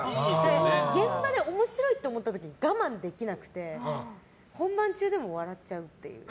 現場で面白いと思った時に我慢できなくて本番中でも笑っちゃうっていう。